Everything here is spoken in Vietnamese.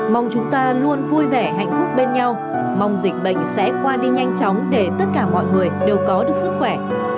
mong chúng ta luôn vui vẻ hạnh phúc bên nhau mong dịch bệnh sẽ qua đi nhanh chóng để tất cả mọi người đều có được sức khỏe